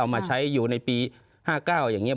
มาใช้อยู่ในปี๕๙อย่างนี้